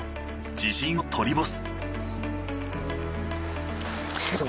自信を取り戻す。